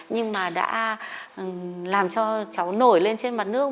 nhưng mà đã làm cho cháu nổi lên trên mặt nước